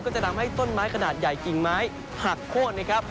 จะทำให้ต้นไม้ขนาดใหญ่กิ่งไม้หักโค้นนะครับ